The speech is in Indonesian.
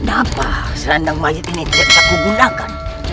kenapa serendang mayit ini tidak bisa kugunakan